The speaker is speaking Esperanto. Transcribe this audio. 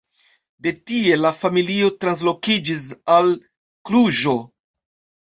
De tie la familio translokiĝis al Kluĵo.